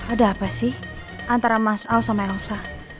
ada apa sih antara mas al sama elsa